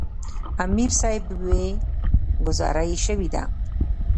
امیر صېب وې " ګذاره ئې شوې ده ـ